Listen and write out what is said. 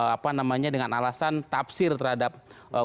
apa namanya dengan alasan tafsir terhadap undang undang